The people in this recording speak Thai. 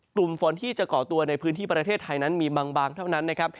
กลุ่มฝนที่จะก่อตัวในพื้นที่ประเทศไทยนั้นมีบางเท่านั้นนะครับ